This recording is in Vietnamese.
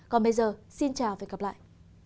còn bây giờ xin chào và hẹn gặp lại